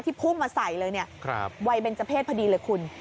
พุ่งมาใส่เลยเนี่ยวัยเบนเจอร์เศษพอดีเลยคุณ